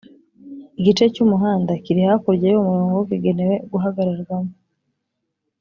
Igice cy'umuhanda kiri hakurya y'uwo murongo kigenewe guhagararwamo